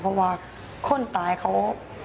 เพราะว่าคนตายเขา